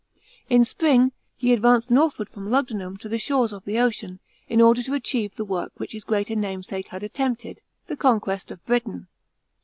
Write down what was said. In spring, he advanced northward from Lugudunum to the shores of the ocean, in order to achieve the work which his greater namesake had attempted, the conquest of Britain.